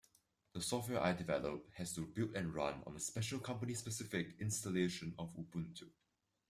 The software I develop has to build and run on a special company-specific installation of Ubuntu.